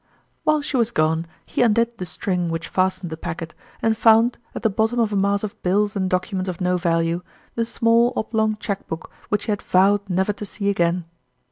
While she was gone, he undid the string which fastened the packet, and found, at the bottom of a mass of bills and documents of no value, the small oblong cheque book which he had vowed never to see again.